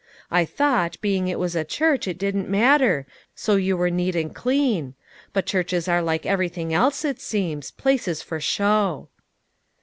I thought, being it was a church, it didn't matter, so you were neat and clean ; but churches are like everything else, it seems, places for show."